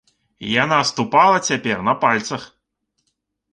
Яна ступала цяпер на пальцах.